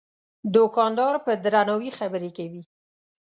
دوکاندار په درناوي خبرې کوي.